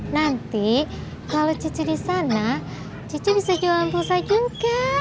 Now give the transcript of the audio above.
nanti kalau cuci di sana cucu bisa jualan pulsai juga